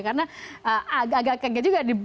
karena agak kaget juga